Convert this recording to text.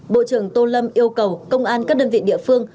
bộ trưởng tô lâm yêu cầu công an các đơn vị địa phương